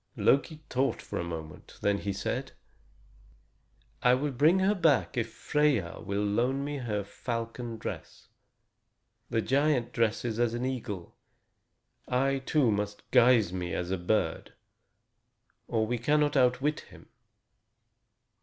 Loki thought for a moment. Then he said: "I will bring her back if Freia will loan me her falcon dress. The giant dresses as an eagle. I, too, must guise me as a bird, or we cannot outwit him."